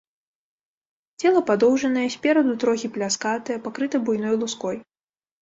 Цела падоўжанае, спераду трохі пляскатае, пакрыта буйной луской.